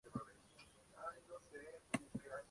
Confeccionó la llave de la ciudad de Ushuaia.